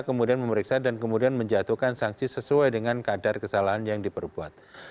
kemudian memeriksa dan kemudian menjatuhkan sanksi sesuai dengan kadar kesalahan yang diperbuat